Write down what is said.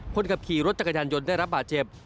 คนขับขี่รถจักรยานยนต์ได้รับบาดเจ็บ